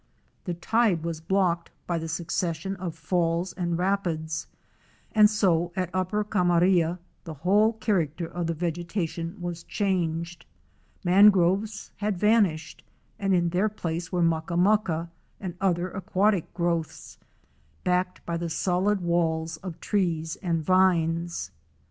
251 The tide was blocked by the succession of falls and rapids, and so at Upper Camaria the whole character of the vegeta tion was changed. Mangroves had vanished and in their place were mucka mucka and other aquatic growths, backed by the solid walls of trees and vines. Fic. 104.